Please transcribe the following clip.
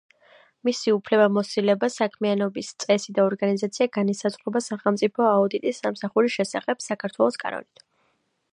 მისი უფლებამოსილება, საქმიანობის წესი და ორგანიზაცია განისაზღვრება, „სახელმწიფო აუდიტის სამსახურის შესახებ“ საქართველოს კანონით.